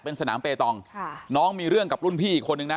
เป็นสนามเปตองค่ะน้องมีเรื่องกับรุ่นพี่อีกคนนึงนะ